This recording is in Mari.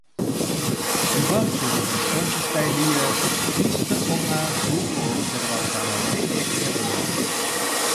Кӱвар теве воштончыш гай лие, писте оҥа шуко ок сӧрвалтаре, вашке эрна.